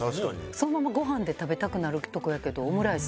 そのままご飯で食べたくなるところやけどオムライス。